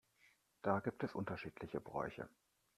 Da gibt es unterschiedliche Bräuche.